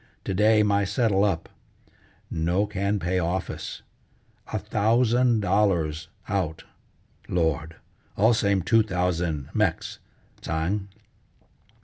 To day my settle up; no can pay office. A thousand dollars out! Lord! All same two thousand Mex', Tsang!"